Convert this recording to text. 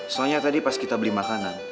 soalnya tadi pas kita beli makanan